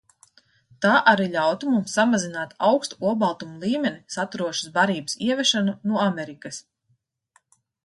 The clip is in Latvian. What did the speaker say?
Tā arī ļautu mums samazināt augstu olbaltuma līmeni saturošas barības ievešanu no Amerikas.